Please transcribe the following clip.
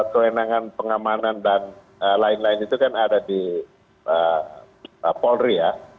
kerenangan pengamanan dan lain lain itu kan ada di pak kapolri ya